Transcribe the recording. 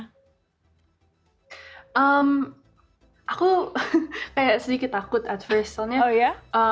hmm aku sedikit takut menurutku